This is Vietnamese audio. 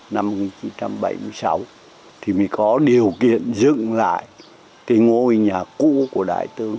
năm một nghìn chín trăm bảy mươi sáu thì mới có điều kiện dựng lại cái ngôi nhà cũ của đại tướng